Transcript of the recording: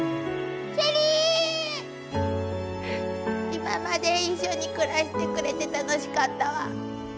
今まで一緒に暮らしてくれて楽しかったわ。